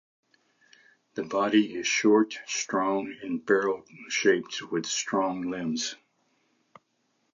The body is short, strong and barrel-shaped, with strong limbs.